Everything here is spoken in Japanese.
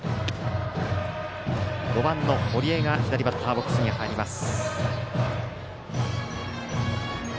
５番の堀江が左バッターボックスに入ります。